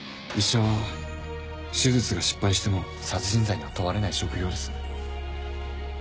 医者は手術が失敗しても殺人罪には問われない職業です。